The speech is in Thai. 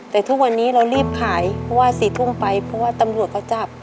แต่ทุกวันนี้เรารีบขายเพราะว่า๔ทุ่มไปเพราะว่าตำรวจเขาจับ